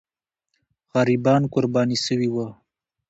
غریبان قرباني سوي وو.